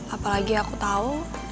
apalagi aku tau